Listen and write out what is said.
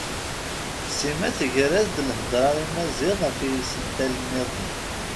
Sima tegra-as-d lhedra i Maziɣ ɣef yisental-nniḍen.